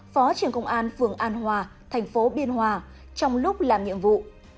phó trưởng công an phường an hòa thành phố biên hòa trong lúc làm nhiệm vụ